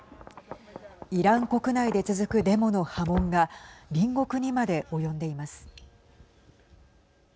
イラン国内で続くデモの波紋が隣国にまで及んでいます。